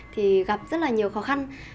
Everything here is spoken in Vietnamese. thì gặp rất là nhiều khó khăn